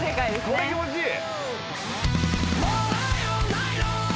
これ気持ちいい。